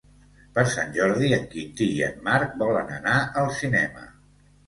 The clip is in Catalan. Per Sant Jordi en Quintí i en Marc volen anar al cinema.